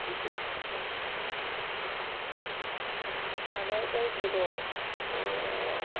叶えたいけどうん。